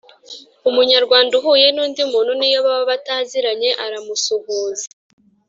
Umunyarwanda uhuye n'undi muntu n'iyo baba bataziranye aramusuhuza,